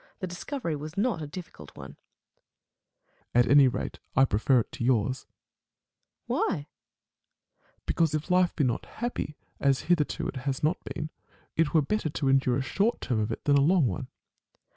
The discovery was not a difl&cult one. Met. At any rate I prefer it to yours. Nat Phil. Why ? Met. Because if life be not happy, as hitherto it has not been, it were better to endure a short term of it than a long one.